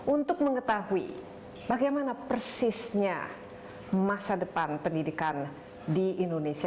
untuk mengetahui bagaimana persisnya masa depan pendidikan di indonesia